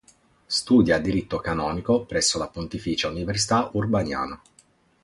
Studia diritto canonico presso la Pontificia Università Urbaniana.